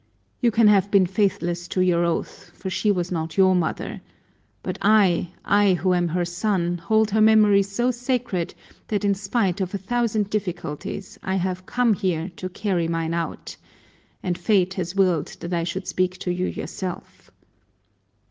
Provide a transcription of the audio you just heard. You can have been faithless to your oath, for she was not your mother; but I, I who am her son, hold her memory so sacred that in spite of a thousand difficulties I have come here to carry mine out, and fate has willed that I should speak to you yourself.